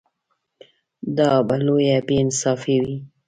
دا به لویه بې انصافي وي.